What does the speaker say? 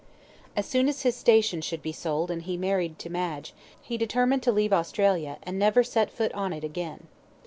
As soon as his station should be sold and he married to Madge he determined to leave Australia, and never set foot on it again.